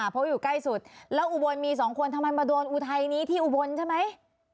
เพราะอยู่ใกล้สุดแล้วอุบลมีสองคนทำไมมาโดนอุทัยนี้ที่อุบลใช่ไหม